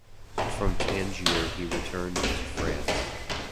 From Tangier he returned to France.